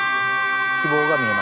希望が見えました。